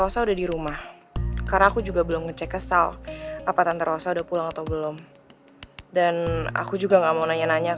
sampai jumpa di video selanjutnya